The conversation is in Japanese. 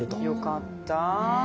よかった。